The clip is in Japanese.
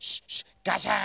ガシャーン。